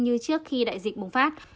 như trước khi đại dịch bùng phát